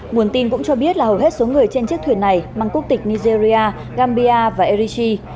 nguồn tin cũng cho biết là hầu hết số người trên chiếc thuyền này mang quốc tịch nigeria gambia và errichi